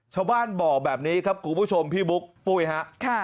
ชาวบ้านบอกแบบนี้ครับคุณผู้ชมพี่บุ๊คปุ้ยฮะ